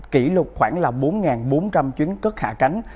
kỷ lục khoảng bốn bốn trăm linh chuyến cất hạ tránh